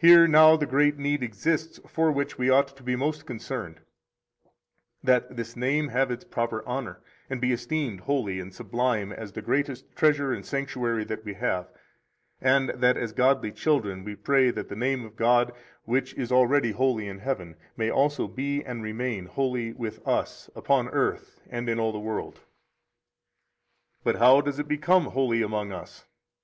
38 Here now the great need exists for which we ought to be most concerned, that this name have its proper honor, be esteemed holy and sublime as the greatest treasure and sanctuary that we have; and that as godly children we pray that the name of God, which is already holy in heaven, may also be and remain holy with us upon earth and in all the world. 39 But how does it become holy among us?